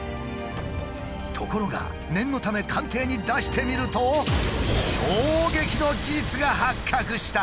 ところが念のため鑑定に出してみると衝撃の事実が発覚した！